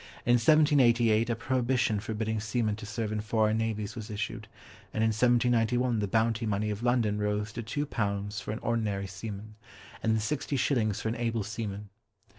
In 1788 a prohibition forbidding seamen to serve in foreign navies was issued, and in 1791 the bounty money of London rose to two pounds for an ordinary seaman, and sixty shillings for an able seaman.